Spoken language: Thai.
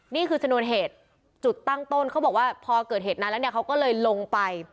นี่คือชนวนเหตุจุดตั้งต้นเขาบอกว่าพอเกิดเหตุนั้นแล้วเนี่ยเขาก็เลยลงไป